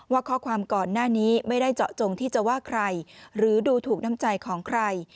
ข้อความก่อนหน้านี้ไม่ได้เจาะจงที่จะว่าใครหรือดูถูกน้ำใจของใคร